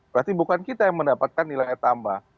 berarti bukan kita yang mendapatkan nilai tambah